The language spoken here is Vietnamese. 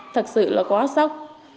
thật sự là quá sốc